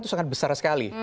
itu sangat besar sekali